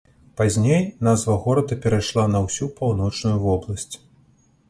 Пазней назва горада перайшла на ўсю паўночную вобласць.